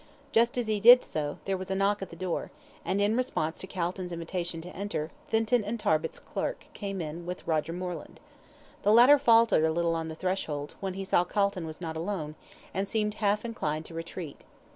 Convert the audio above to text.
Just as he did so, there was a knock at the door, and, in response to Calton's invitation to enter, Thinton and Tarbit's clerk came in with Roger Moreland. The latter faltered a little on the threshold, when he saw Calton was not alone, and seemed half inclined to retreat.